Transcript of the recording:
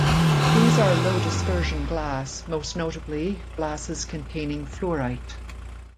These are low dispersion glass, most notably, glasses containing fluorite.